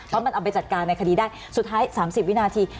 เพราะมันเอาไปจัดการในคดีได้สุดท้าย๓๐วินาที